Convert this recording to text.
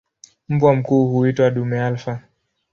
Mbwa mkuu huitwa "dume alfa".